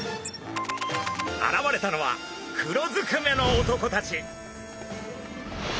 現れたのは黒ずくめの男たち。